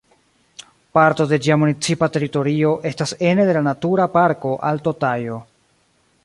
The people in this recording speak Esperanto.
Parto de ĝia municipa teritorio estas ene de la Natura Parko Alto Tajo.